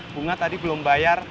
bunga tadi belum bayar